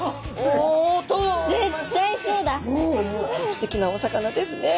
すてきなお魚ですね。